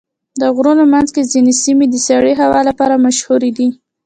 د غرونو منځ کې ځینې سیمې د سړې هوا لپاره مشهوره دي.